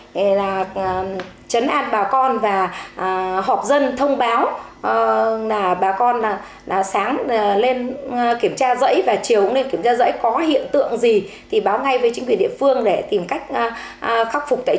chúng tôi đã trấn an bà con và họp dân thông báo bà con sáng lên kiểm tra rẫy và chiều lên kiểm tra rẫy có hiện tượng gì thì báo ngay với chính quyền địa phương để tìm cách khắc phục tại chỗ